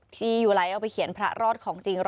ยูไลท์เอาไปเขียนพระรอดของจริง